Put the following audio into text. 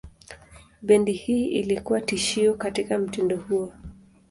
Bendi hii ilikuwa tishio katika mtindo huo.